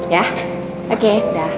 ya oke dah